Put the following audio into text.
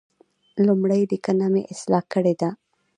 لومړۍ لیکنه مې اصلاح کړې ده.